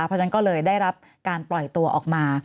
เพราะฉะนั้นก็เลยได้รับการปล่อยตัวออกมา